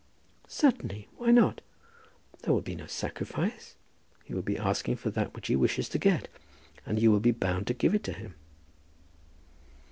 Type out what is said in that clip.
"Certainly. Why not? There will be no sacrifice. He will be asking for that which he wishes to get; and you will be bound to give it to him."